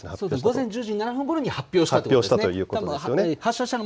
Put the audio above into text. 午前１０時７分ごろに発表したということです。